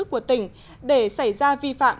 của tỉnh để xảy ra vi phạm